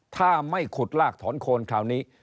ถ้าไม่ขุดลากถอนโคนคราวนี้